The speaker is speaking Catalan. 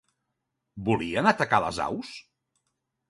Volien atacar a les aus?